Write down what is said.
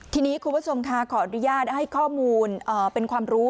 ทีนี้คุณผู้ชมค่ะขออนุญาตให้ข้อมูลเป็นความรู้